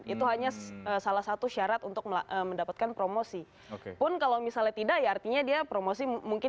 itu hanya salah satu syarat untuk mendapatkan promosi